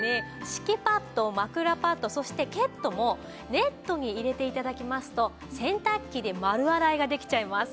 敷きパッド枕パッドそしてケットもネットに入れて頂きますと洗濯機で丸洗いができちゃいます。